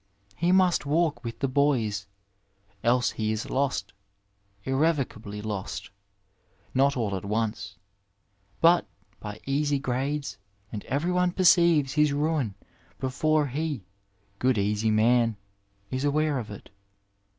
He must walk with the " boys," else he is lost, irrevocably lost ; not all at once, but by easy grades, and every one perceives his ruin before he, " good, easy man," is aware of it.